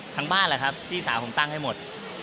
ทั้งบ้านแหละครับพี่สาวผมตั้งให้หมด